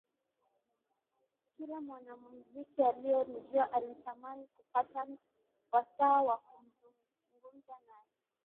Kila mwanamuziki aliyemjua alitamani kupata wasaa wa kuzungumza naye